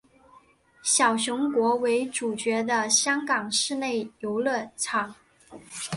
小熊国为主角的香港室内游乐场。